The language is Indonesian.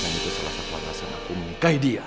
dan itu salah satu perasaan aku mengikahi dia